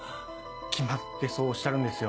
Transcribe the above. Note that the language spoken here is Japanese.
決まってそうおっしゃるんですよ